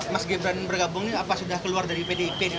mas gibran bergabung ini apa sudah keluar dari pdip